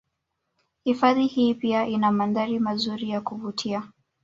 Hifadhi hii pia ina mandhari mazuri ya kuvutia